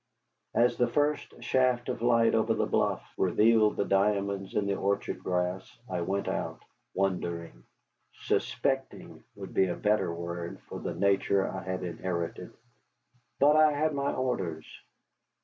As the first shaft of light over the bluff revealed the diamonds in the orchard grass I went out, wondering. Suspecting would be a better word for the nature I had inherited. But I had my orders.